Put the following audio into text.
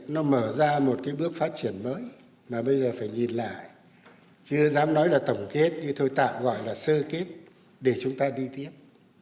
nó mở ra một cái bước phát triển mới mà bây giờ phải nhìn lại chưa dám nói là tổng kết như tôi tạm gọi là sơ kết để chúng ta đi tiếp